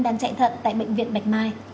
đang chạy thận tại bệnh viện bạch mai